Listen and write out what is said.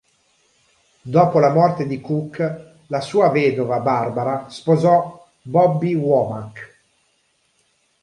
Dopo la morte di Cooke, la sua vedova Barbara sposò Bobby Womack.